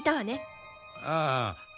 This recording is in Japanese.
ああ。